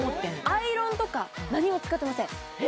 アイロンとか何も使ってませんえ！？